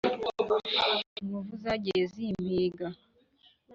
inkovu zagiye zimpiga.